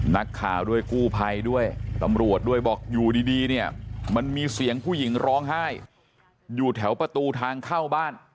นักข่าวด้วยกู้ภัยด้วยตำรวจด้วยบอกอยู่ดีเนี่ยมันมีเสียงผู้หญิงร้องไห้อยู่แถวประตูทางเข้าบ้าน